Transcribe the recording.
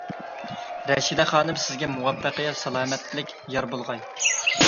رەشىدە خانىم، سىزگە مۇۋەپپەقىيەت سالامەتلىك يار بولغاي!